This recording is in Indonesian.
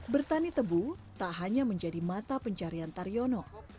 bertani tebu tak hanya menjadi mata pencarian taryono